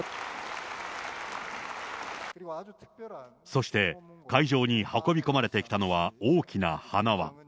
そして、会場に運び込まれてきたのは大きな花輪。